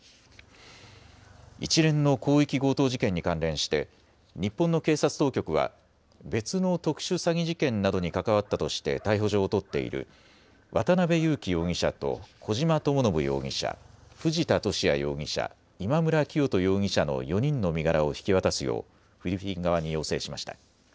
一連の広域強盗事件に関連して日本の警察当局は別の特殊詐欺事件などに関わったとして逮捕状を取っている渡邉優樹容疑者と小島智信容疑者、藤田聖也容疑者、今村磨人容疑者の４人の身柄を引き渡すようフィリピン側に要請しました。